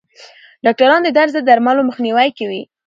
ډاکټران د درد ضد درملو مخنیوی کوي.